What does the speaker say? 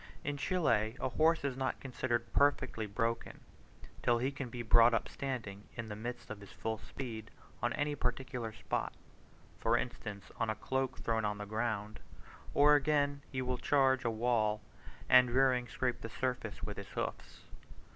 In Chile a horse is not considered perfectly broken, till he can be brought up standing, in the midst of his full speed, on any particular spot, for instance, on a cloak thrown on the ground: or, again, he will charge a wall, and rearing, scrape the surface with his hoofs.